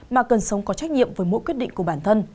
mà cần sống có trách nhiệm với mỗi quyết định của bản thân